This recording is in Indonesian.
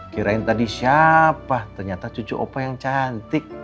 kirain tadi siapa ternyata cucu opa yang cantik